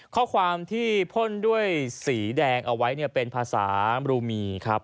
ข้อความที่พ่นด้วยสีแดงเอาไว้เป็นภาษามรูมีครับ